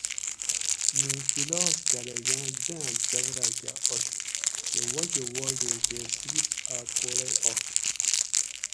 موں کلاس کالجاں دویام چت راکہ آشو تے واکہ واگیں کیر صرف اۤ پوڑئ آش